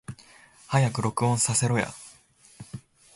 早く録音させろや